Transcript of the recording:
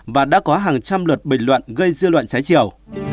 và đã có hàng trăm lượt bình luận gây dư luận trái chiều